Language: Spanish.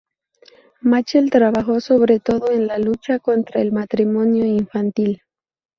Machel trabajó sobre todo en la lucha contra el matrimonio infantil.